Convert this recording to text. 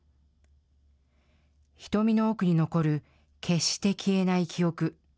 瞳の奥に残る決して消えない記憶。